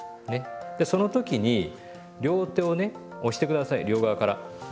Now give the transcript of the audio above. でその時に両手をね押して下さい両側から。